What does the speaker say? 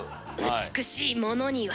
美しいものには。